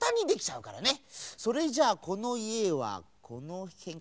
それじゃあこのいえはこのへんかな。